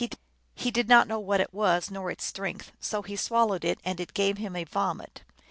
He did not know what it was, nor its strength, so he swallowed it, and it gave him a vomit.